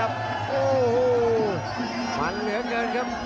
โอ้โหมันเหลือเกินครับ